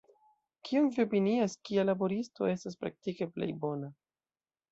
Kion vi opinias, kia laboristo estas praktike plej bona?